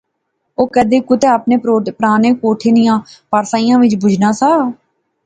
او کدے کُتے اپنے پرانے کوٹھے نیاں پاساریا وچ بہجنا سا